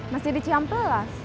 masih di ciampelas